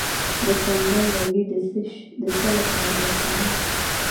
د سندل لرګی د څه لپاره وکاروم؟